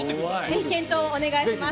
ぜひ検討をお願いします。